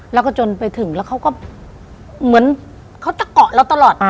แล้วก็จนไปถึงแล้วเขาก็เหมือนเขาจะเกาะเราตลอด